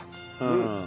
うん。